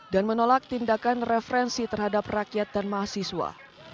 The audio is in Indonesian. menolak tindakan referensi terhadap rakyat dan mahasiswa